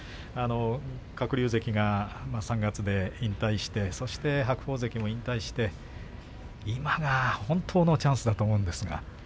鶴竜関が３月で引退してそして白鵬関も引退して今が本当のチャンスだと思うんですが。